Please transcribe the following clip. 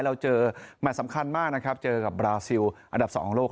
เราเจอแมทสำคัญมากนะครับเจอกับบราซิลอันดับ๒ของโลก